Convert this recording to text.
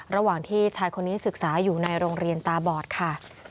ระหว่างที่ชายคนนี้ศึกษาอยู่ในโรงเรียนตาบอดค่ะ